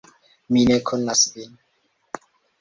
Mi ne konas vin.